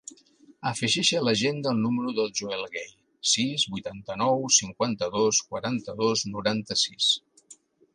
Afegeix a l'agenda el número del Joel Gay: sis, vuitanta-nou, cinquanta-dos, quaranta-dos, noranta-sis.